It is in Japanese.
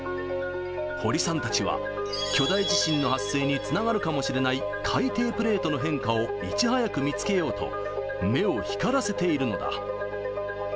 堀さんたちは、巨大地震の発生につながるかもしれない海底プレートの変化を、いち早く見つけようと、目を光らせているのだ。